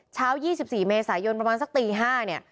เช้า๒๔เมษายนประมาณสักตี๕น